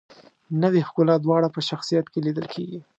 نوې ښکلا دواړه په شخصیت کې لیدل کیږي.